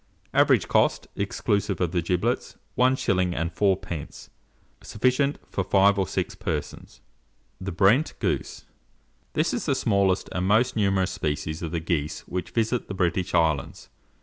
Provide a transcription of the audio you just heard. Average cost, exclusive of the giblets, 1s. 4d. Sufficient for 5 or 6 persons. THE BRENT GOOSE. This is the smallest and most numerous species of the geese which visit the British islands.